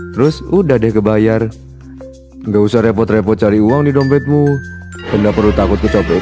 terus udah deh kebayar nggak usah repot repot cari uang nih dompetmu nggak perlu takut kecopot